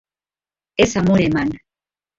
Ez amore eman.